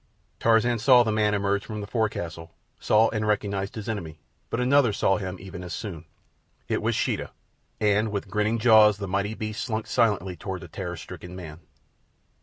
Tarzan saw the man emerge from the forecastle—saw and recognized his enemy; but another saw him even as soon. It was Sheeta, and with grinning jaws the mighty beast slunk silently toward the terror stricken man.